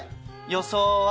予想は。